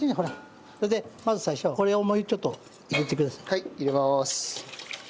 はい入れまーす。